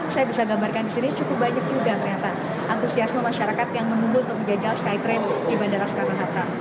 saya bisa gambarkan di sini cukup banyak juga ternyata antusiasme masyarakat yang menunggu untuk menjajal skytrain di bandara soekarno hatta